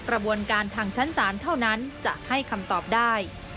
กระบวนการทางชั้นศาลเท่านั้นจะให้คำตอบได้